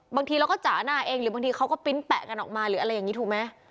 บางทีเราก็จ๋าหน้าเองหรือบางทีเขาก็ปริ้นแปะกันออกมาหรืออะไรอย่างนี้ถูกไหม